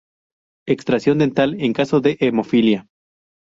Extracción dental en caso de hemofilia.